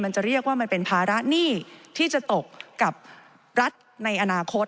จะเรียกว่ามันเป็นภาระหนี้ที่จะตกกับรัฐในอนาคต